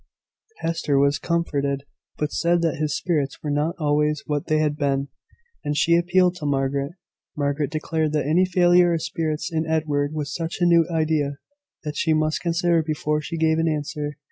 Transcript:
Hester was comforted, but said that his spirits were not always what they had been: and she appealed to Margaret. Margaret declared that any failure of spirits in Edward was such a new idea, that she must consider before she gave an answer.